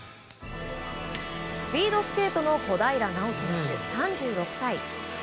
スピードスケートの小平奈緒選手、３６歳。